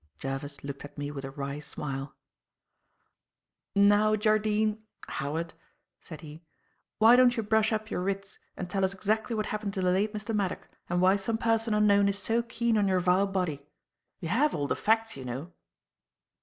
Jervis looked at me with a wry smile. "Now Jardine Howard." said he; "why don't you brush up your wits and tell us exactly what happened to the late Mr. Maddock and why some person unknown is so keen on your vile body. You have all the facts, you know."